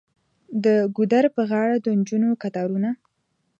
د ګودر په غاړه د نجونو کتارونه.